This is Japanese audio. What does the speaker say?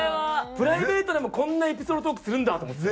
プライベートでもこんなエピソードトークするんだと思って。